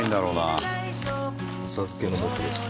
浅漬けの素ですか？